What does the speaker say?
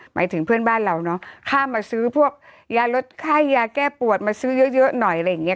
หมายถึงเพื่อนบ้านเราเนอะข้ามมาซื้อพวกยาลดไข้ยาแก้ปวดมาซื้อเยอะหน่อยอะไรอย่างนี้